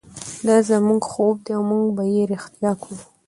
دا زموږ خوب دی او موږ به یې ریښتیا کړو.